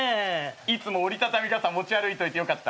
いつも折りたたみ傘持ち歩いといてよかった。